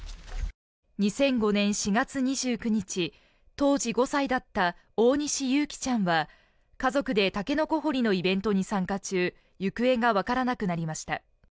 ２００５年４月２９日当時５歳だった大西有紀ちゃんは家族でタケノコ掘りのイベントに参加中行方がわからなくなりました。